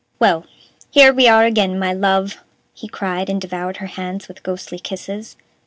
"Well, here we are again, my love!" he cried, and devoured her hands with ghostly kisses.